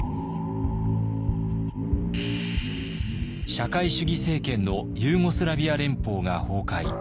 社会主義政権のユーゴスラビア連邦が崩壊。